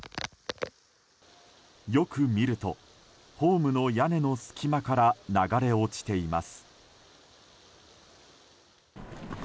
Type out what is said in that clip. よく見ると、ホームの屋根の隙間から流れ落ちています。